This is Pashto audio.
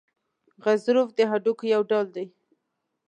غضروف د هډوکو یو ډول دی.